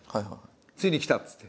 「ついにきた」っつって。